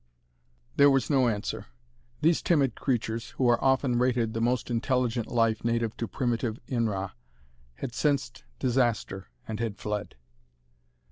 There was no answer. These timid creatures, who are often rated the most intelligent life native to primitive Inra, had sensed disaster and had fled.